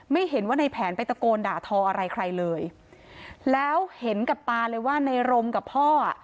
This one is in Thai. ไม่เห็นว่าในแผนไปตะโกนด่าทออะไรใครเลยแล้วเห็นกับตาเลยว่าในรมกับพ่ออ่ะ